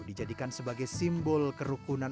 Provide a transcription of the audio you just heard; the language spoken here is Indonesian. dijadikan sebagai simbol kerukunan